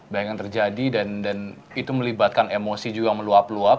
banyak yang terjadi dan itu melibatkan emosi juga yang meluap luap